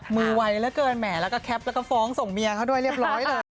มือไวเหลือเกินแหมแล้วก็แคปแล้วก็ฟ้องส่งเมียเขาด้วยเรียบร้อยเลย